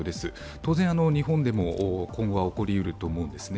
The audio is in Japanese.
当然、日本でも今後は起こりうると思うんですね。